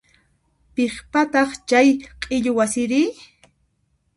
Piqpataq chay q'illu wasiri?